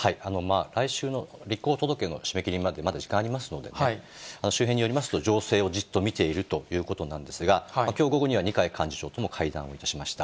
来週の立候補届の締め切りまでまだ時間ありますので、周辺によりますと、情勢をじっと見ているということなんですが、きょう午後には二階幹事長とも会談をしました。